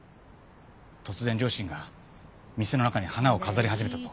突然両親が店の中に花を飾り始めたと。